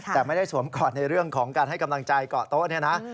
แต่ไม่ได้สวมก่อดในเรื่องของการให้กำลังจัยกหกเตาะ